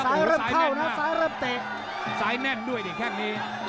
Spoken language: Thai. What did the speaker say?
เริ่มเข้านะซ้ายเริ่มเตะซ้ายแน่นด้วยเนี่ยแค่งนี้